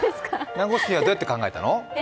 ナンゴスティンはどうやって考えたの？